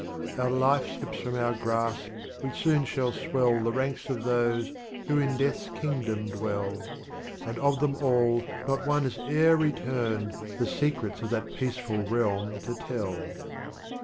VI. Our Life slips from our Grasp, we soon shall swell, Tlie Ranks of Those who in Death's Kingdom dwell, — And of Them All not one has e'er returned. The Secrets of that Peaceful Realm to tell.